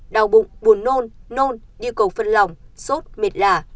đào bụng buồn nôn nôn điêu cầu phân lòng sốt mệt lả